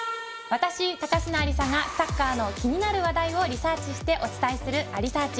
私、高階亜理沙がサッカーの気になる話題をリサーチしてお伝えするありサーチ。